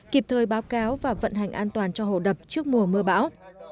kịp thời báo cáo và vận hành an toàn cho hồ đập trước mùa mưa bão